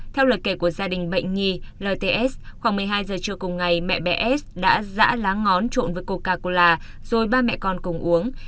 theo lời kể của gia đình bệnh nhi lts khoảng một mươi hai giờ trưa cùng ngày mẹ s đã giã lá ngón trộn với coca cola rồi ba mẹ con cùng uống